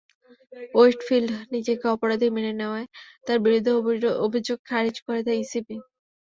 Westfield নিজেকে অপরাধী মেনে নেওয়ায় তাঁর বিরুদ্ধে অভিযোগ খারিজ করে দেয় ইসিবি।